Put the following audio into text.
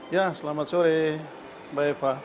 ya selamat sore mbak eva